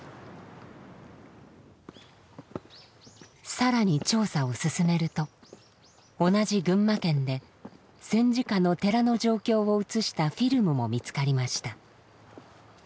更に調査を進めると同じ群馬県で戦時下の寺の状況を写したフィルムも見つかりました。